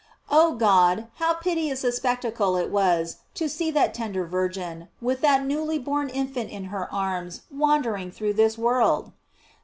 f Oh God, how piteous a spectacle it was to see that tender Virgin, with that newly born infant in her arms wandering through this world!